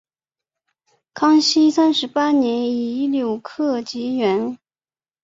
康熙三十八年己卯科解元。